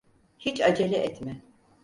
Hiç acele etme.